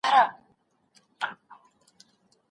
چي ظالم واکمن ته وځلوي توره